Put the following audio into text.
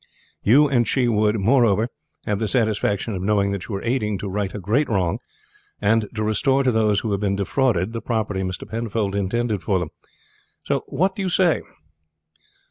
You and she would, moreover, have the satisfaction of knowing that you were aiding to right a great wrong, and to restore to those who have been defrauded the property Mr. Penfold intended for them. What do you say?"